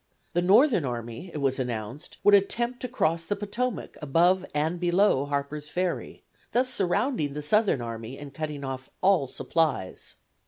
The Northern Army, it was announced, would attempt to cross the Potomac above and below Harper's Ferry, thus surrounding the Southern Army and cutting off all supplies.